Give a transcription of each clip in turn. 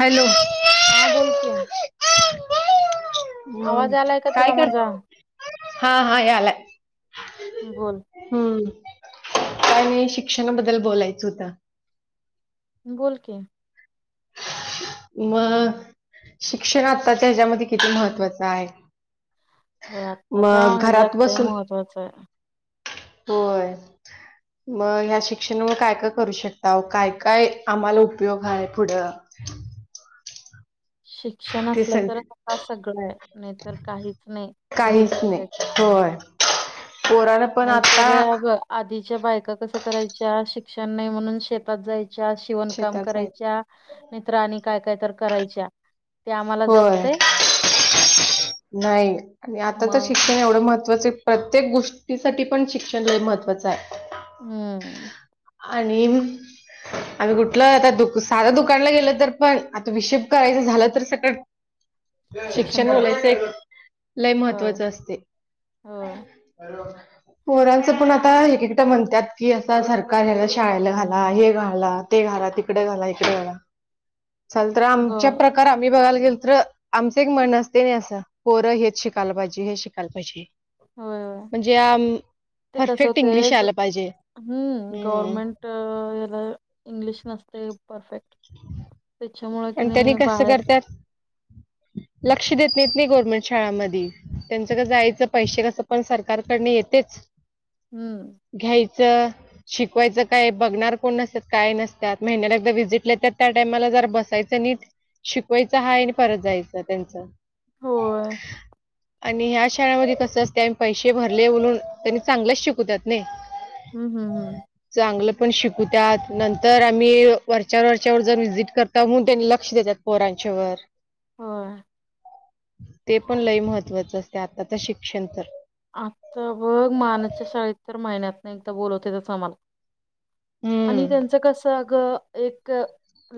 Hello हा बोलतीये. हम्म आवाज आलाय का? काय तुला कर माझा. हा हा यालाय. बोल हम्म काय नाही, शिक्षणाबद्दल बोलायचं होतं. बोल की. म शिक्षण, आताच्या ह्याच्यामध्ये किती महत्त्वाचं आहे. हो आत्ताच्या मग घरात ह्याच्यात लय बसून महत्त्वाचं आहे होय म ह्या शिक्षणामुळे काय काय करू शकता हो काय काय आम्हाला उपयोग आहे पुढं [inaudible] शिक्षण ते असलं सग तर च आता सगळं मिळेल नाही तर काहीच नाही घरीच बसायचंय कोरारब नाहीतर आधीच्या बायका कस करायच्या शिक्षण नाही म्हणून शेतात जायच्या शिवणकाम शेतात जायचं करायच्या नाहीत्र आणि काय काय तर करायच्या ते आम्हाला होय जमतय नाही आणि आता तर मग शिक्षण एवढं महत् मवा प्रत्येक गोष्टीसाठी पण शिक्षण हे महत्त्वाचं आहे हम्म आणि आम्ही कुठलं आता दु साधं दुकानला गेल तर पण आता हिशेप करायचं झालं तर स ते शिक्षण बोलायचं एक लय होय महत्त्वाच असते होय हॅलो परांचं पण आता एक एकट म्हणतात की असं सरकार ह्याला शाळेला घाला हे घाला ते घाला तिकडे घाला इकडे घला चल तर ग आमच्या होय प्रकार ्ही बघायला गेल तर आमचं एक मन असते नाही असं पोरं हेच शिकायला पाहिजे हे शिकायला पाहिजे होय म्हणजे ते कसं परफेक्ट इंग्लिश होतंय आला पाहिजे हम् ला इंग्लिश नसते परफेक्ट ह त्याच्यामुळे प की तरी नाही कसं बाहेर करतात लक्ष देत नाहीत नाही गव्हर्मेंट शाळाांमध्ये त्यांचं क जायचं पैसे कसं पण सरकारकडन येतेच [unintelligible] हम्म घ्यायचं शिकवायचं काय बघणार कोण नसत काय नसतात महिन्याला एकदा व्हिजिटेतात त्या टाइमाला जर बस नट शिकवायच हा आणि परत जायचं त्यांच हो आणि ह्या शाळेमध्ये कसं असते पैसे भरले बोलून त्यांनी चांगलंच शिकवतात नाही हम् हम हम् चांगलं पण शिकूतत नंतर आम्ही वरच्या वरच्यावर जर वि्हजिट कर का मून त्यांनी लक्ष देतात पोरांच्यावर ह ते पण लय महत्त्वाचं असते आताच शिक्षण तर. आता बघ मानाच्या शाळेत तर महिन्यात नाही एकदा बोलवतते त्याच आम्हाला. हम्म आणि त्यांचं कस अग एक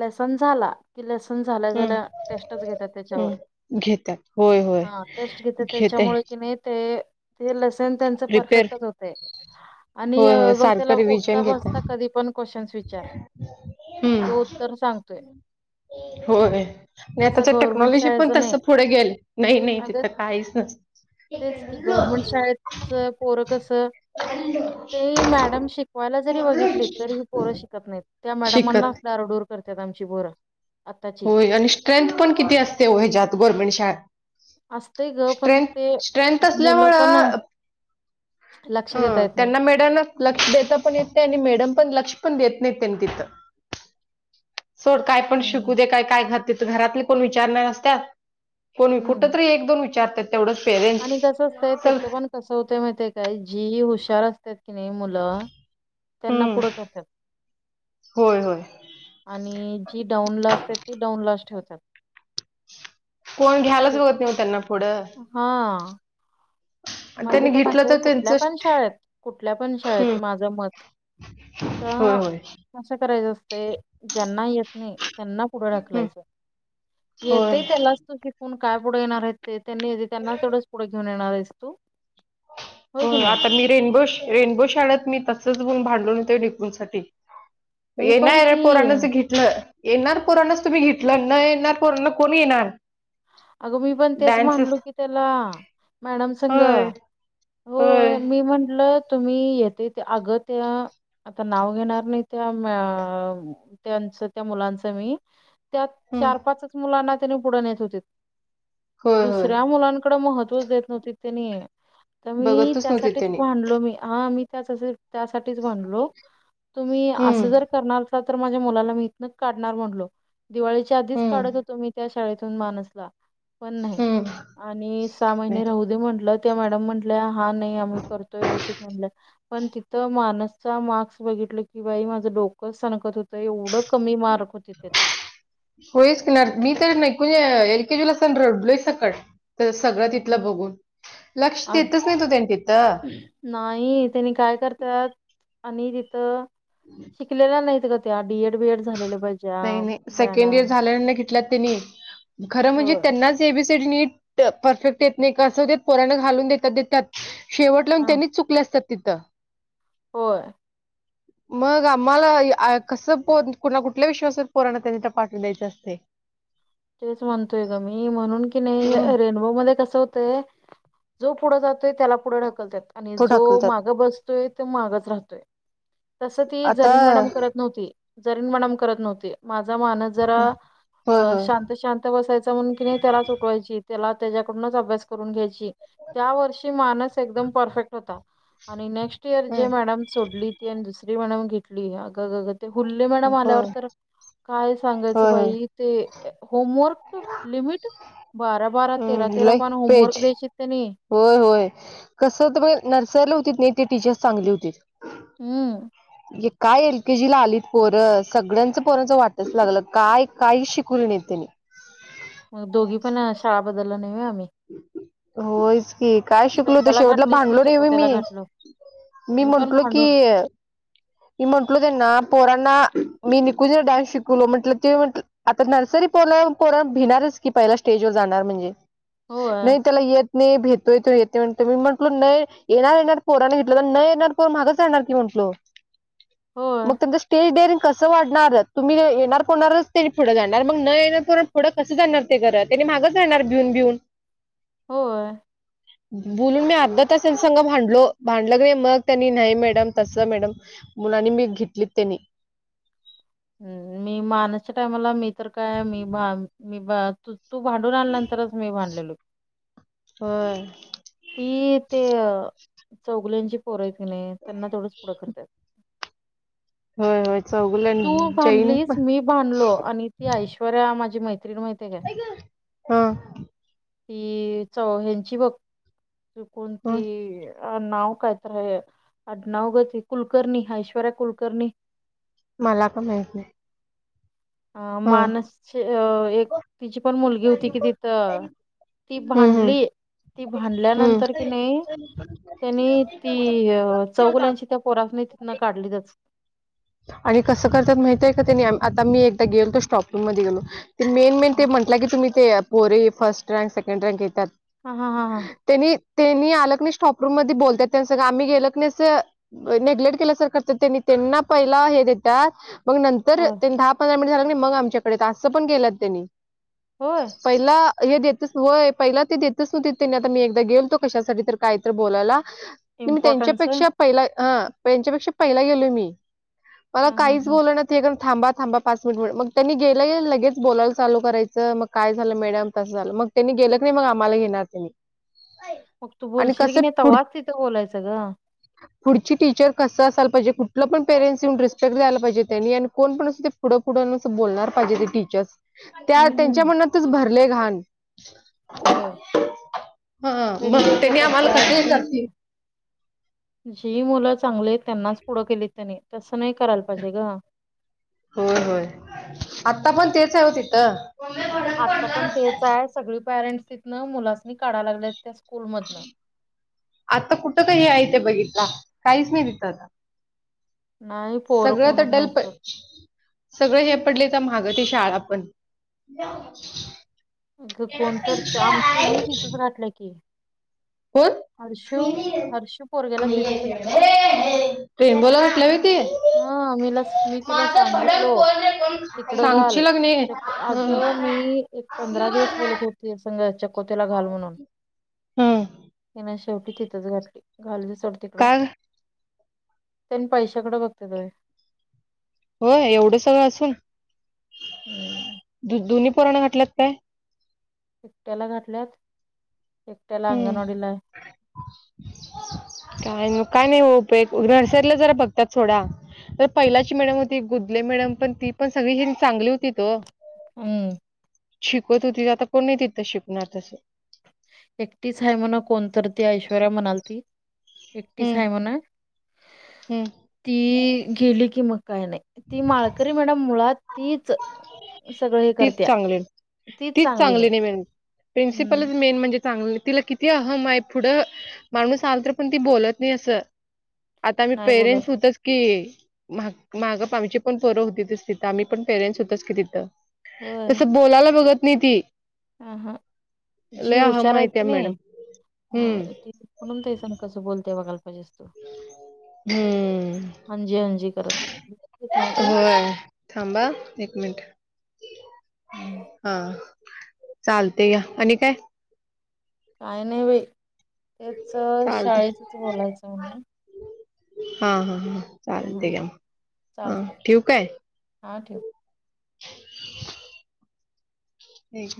लेसन झाला कि लसन झालंय हम्म झाल्या टेस्टच घेतात त्याच्यावर. हम्म घेतात होय होय हा टेस्ट घेत घेतय त्याच्यामुळे कि नाही ते ल. त्यांना प्रिपेअर परफेक्टच होते. आणि होय होय बघ सारखं त्याला रिव्हजन उठता बसता घेतात कधी पण क्वेश्चन्स विचार हम्म तो उत्तर सांगतोय. होय आणि तसं आताच गव्हर्नमेंट टेक्नॉलॉजी पण शाळेचं तस नाही पुढे गेल नाही नाही अगं तिथं काहीच नस. [inaudible] शाळच पोर कस. ते मॅडम शिकवायला जरी बघितली तरी ह पोरं शिकत नाहीत. त्या मॅडमांनाच शिकत दारडूर करतात आमची बोरं. होय आणि स्ट्रेंथ पण किती असते वैज्यात गव्हर्नमेंट शाळा. असतंय ग पण स्ट्रेथ ते स्ट्रेथ मुलं असल्यामूळ पण लक्ष हा देता येत नाही. त्यांना मॅडमना लक्ष देता पण येत नाही आणि मॅडम पण लक्ष पण देत नाही त्यांनी तिथं सोड काय पण हम्म शिकू दे काय काय घातते घरातले कोण विचारणार असत कोणी कुठ हम्म तरी एक दोन विचारतात तेवढंच पेरेंट सग कस होते म ते काय जी ह हुशार अस कि नाही मुलं त्यांना हम्म पुढं करतात होय होय. आणि जी डाऊन लास्ट आहे ती डाऊन लास्ट ठेवतात. कोण घ्यायलाच हे- रगत नाही त्यांना पुढं. हा आणि माझे त्यांनी तर घेतलं म्हझ कुठल्या त्यांचं पण शाळेत कुठल्या पण शाळेत हम्म माझं मत होय होय. आशा करायचं असते ज्यांना येत नाही त्यांना पुढं हम्म टाकलायचं होय. येतय त्यालाच तू शिकून काय पुढं येणार आहे. ते त्यांनी त्यांना तेवढंच पुढं घेऊन येणार आहे तो. आता मी रेनबो रेनबो शाळेत मी तसच बन भांडल नेतो डपून साठी. मी ये ना पण रे की पोराणचं घे. न येणार कोरोनाच तुम्ही घेतलं न येणार कोरोना कोण येणार. अगं मी पण तेच डान्सेस म्हनलो की त्याला. मॅडम संग होय, हो होय. मी म्हंटल. तुम्ही येते ते अगं त्या. आता नाव घेणार नाही त्या त्यांच त्या मुलांचं मी. त्या हं. चार पाच मुलांना त्यानी पुढ येत होते. होय, होय. दुसऱ्या मुलांकड महत्त्व देत नव्हती त्यांनी. तर मी बघतच नव्हतीत त्यासाठीच त्यांनी. भांडलो मी हा मी त्याच त्यासाठीच म्हनलो तुम्ही हं, अस जर करणार. तर माझ्या मुलाला मीहित काढणार म्हणलो दिवाळीच्या आधीच हं, काढत होतो मी त्या शाळेतून मानसला. पण नाही हं. आणि सहा नाही. महिने राहू दे म्हंटलं त्या मॅडम म्हट. हा नाही आम्ही करतो व्यवस्थित म्हण. पण तिथं माणसचा मार्क्स बघितलं की बाई माझं डोकंच सणकत होतं एवढं कमी मार्क होती तिथं. होस कणार मी तर नाही एकेश लोसकड. तर सगळं तिथलं बघून लक्ष अग देतच नाही तो त्यां तिथं. नाही त्यांनी काय करतात आणि तिथं शिकलेला नाहीत का? त्या डी एड बी एड झालेले पाहिजे. नाही हां, नाही सेकंड इयर मॅडम. झाल्या घेतला त्यांनी खरं म्हणजे होय त्यांनाच. बी स नीट परफेक्ट येत नाही कासं पराण घालून देतात देतात शेवट लावून त्यांनीच चुकले असतात तिथं हो मग आम्हाला कस प कुणा कुठ आपल्या विश्वासात पोराण त्यांनी त्या पाठव द्यायच असते च म्हणतोय ग मी म्हणून की नाही हं. रेन होत जो पुढ जातोय त्याला पुढे ढकल आणि तो जो ढकलतात माग बस माग राहय जमत ्ह आता जरी म करत नव्हती माझा मानस जरा होय होय शांत शांत बसायच म्हणून कि नाही त्याला सुटवायची त्याला त्याच्याकडूनच अभ्यास करून घ्यायची त्या वर्षी मानस एकदम परफेक्ट होता आणि नेक्स्ट इयर जे हम्म मॅडम सोडली ती दुसरी मॅडम घेतली अगं गगं ते हुल्ले मॅडम आल्यावर होय तर काय सांगायचं होय होय बाई ते होमवर्क लिमिट बारा बारा तेरा हम्म तेरा लय पण पेज होमवर्क द्यायची त्यांनी होय होय कसं तर नर्सरीला होती नाही ते टीचर्स चांगली होती हम् काय एल के जी ला आलीत पोर सगळ्यांचं पोरांचं वाटच लागलं काय काही शिकवली नाही त्यांनी. मग दोघी पण शाळा. बदल नाव आम्ही होयच. ह काय शिकलो तो श्रद्धाला शेवटला घातलीच मी भांडलो रे म मी चकोत्याला घातलो मी पण म्हंटलो की भांडून मी म्हंटलो त्यांना पोरांना मी नििकून ज डान्स शिकवलो म्हंटलं ते म्हट आता नर्सरी पो पोर भिणारच की पहिला स्टेजवरर जाणार म्हणजे होय नाही त्याला येत नाही भेतोय तो येते म्हणतो मी म्हटलो न येणार येणार पोराने घेतलं तर न येणार पोर मागच येणार की म्हटलो होय मग स्टील डेअर कसं वाढणार तुम्ही येणार कोणारच ते पुढं जाणार मग न येणार कोणार पुढं कसं जाणार त्यानी मागच जाणार भिऊन भिऊन हो बोलून मी अर्ध तास संग भांडलो भांडलं क नाही मग त्यांनी नाही मॅडम तस मॅडम मुलांनी मी घेतलीत त्यांनी हम् मी मानासच्या टायमाला मी तर काय मी मी त तू भांडून आल्यानंतरच मी भांडलेलो हा ती ते चौगल्यांची पोरयती नाही त्यांना तेवढंच पुढं करतात हो हो तू बांधलीस मी बांधलो आणि कि ऐश्वर्या माझी मैत्र्रीण माहित का हा ती चौ ह्यांची बघ चुकून हा ती अ नव कायत अ नवगती कुलकर्णीि ऐश्वरय कुलकर्णीि मला का माहिती नाही अ हा माणसची अ एक तिची पण मुलगी होती कि तिथं ती हम्म हम्म भांडली ती हम्म. भांडल्यानंतर कि नाही त्यांनी ती चौगुलांची त्या पोरातनी तिथन काढलीचच आणि कसं करतात माहित आहे का तेनी आता मी एकदा गेलो स्टॉपरूम मध्ये गेलो ते मेन मेन ते हा म्हटलं की तुम्ही ते पोरे फर्स्ट रँक सेकंड रँक येतात हा हा हा ह त्यांनी त्यांनी आलं क नाही स्टॉपरूम मध्ये बोलतात त्यां सगळं आम्ही गेल क नाही नेग्लेक्ट केल्यासारखं त्यांनी त्यांना पहिला हे देतात मग नंतर अ, त्यांनी दहा पंधरा मिनिट झाग मग आमच्याकडे असं पण गेलंत त्यांनी होय पहिला हे देतच होय पहिला ते देतच नव्हते त्यांनी आता मी एकदा गेलतो कशासाठी तर काय तर बोलायला मी इम्पॉर्टन्स आहे त्यांच्यापेक्षा पहिला हा त्यांच्यापेक्षा पहिला गेलोय मी मला हा हा काहीच हा बोलणार एक थांबा थांबा पाच मिनट मिट मग त्यांनी गेलं गे लगेच बोलायला ल करायचं मग काय झालं मॅडम तसं झालं मग त्यांनी गेलं क नाही मग आम्हाला घेणार त्यांनी मग तू आणि बोलशील की कसं नाही पुढ त्हाच तिथे बोलायचं ग पुढची टीचर कसं असाल पाहिजे कुठलं पण पेरेंट्स येऊन रिस्पेक्ट दयला पाहिजेनी आणि कोण अस ते पुढं पुढून असं बोलणार पाहिजे ते टीचर्स त्या हम्म त्यांच्या हम्म मनातच भरले घाण होय हा मग कसं त्यांनी आम्हाला करतात कटंग जी करते जी मुलं चांगली आहेत त्यांनाच पुढं केलीत त्यांनी तसं नाही करायला पाहिजे ग होय होय आता पण तेच आहे होतीथ आता पण तेच आहे सगळी पॅरेंट्स तिथनं मुलासनी काढाय लागले त्या स्कूलमधन आता कुठं का हे आहे ते बघितलं काहीच नाही तिथं आता नाही पोरं सगळं तर कोणच नाहीत डलप सोड. सगळं हे पडले तर माहागं ती शाळा पण अगं ये कोण तर आमचं पैक्षय ही तिथंच की हर्षू होण हर्षू पोरग्याला तिथंच घातलं. बोला आपल्या हा मीला मी तिला सांगितलो भडक कोण रे कोण खाईल? तिकडं घाल सांगची लागणे असलं अग मी करणार. एक पंधरा असलं दिवस बोलत करणार. होत रसघच्या कोथ्याला घाल म्हणून हं शेवटी तिथंच घातली घाल सढ तिकड काय त्यांनी पैशाकडं बघते तय होय एवढं सगळं असून हम्म दोन्ही पुरण घटल्यात काय एकट्याला घातल्यात एकट्याला हम्म अंगणवाडीला आहे. काय काय नाही होपय नर्सरीला जरा बघतात थोडा तर पहिलाची मॅडम होती गुदले मॅडम पण ती पण सगळी ह चांगली होती त हम शिकत होती आता कोण नाही तिथं शिकणार तसं एकटीच आहे म्हणा कोणत ती ऐश्वर्या म्हणाल त एकटीच हम्म आहे म्हणा हम्म ती गेली की मग काही नाही ती माळकरी मॅडम मुळात तीच सगळं हे तीच करत्या चांगली तीच चांगली नाही मि प्रिनसिपलच हम्म मेन म्हणजे चांगलं तिला किती ती अहम आहे पुढं माणूस आल तर पण ती बोलत नाही असं आता आम्ही नाही पेरेंटस बोलत होतच की माग आमची पण परं होती ति आम्ही पण पेरेंट्स होतच की तिथं तसं बोलायला बघत नाही ती ह हा जी लय अहम हुशार आहे आहेत त्या की नाही मॅडम ह हम्म त म्हणून तेस कस बोलते बघाला पाहिजे असतजज हो थांबा एक मिनट हम्म हा चालते या आणि काय काय नाही बा हेच चालते शाळेतच बोलायचं म्हणून हा हा हा चालते गम हा ठीक आहे हां ठेव ह